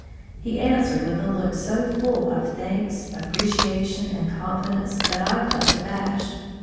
He answered with a look so full of thanks, appreciation, and confidence that I felt abashed.